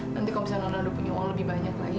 nanti kalau misalnya anda punya uang lebih banyak lagi